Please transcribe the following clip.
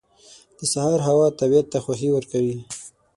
• د سهار هوا طبیعت ته خوښي ورکوي.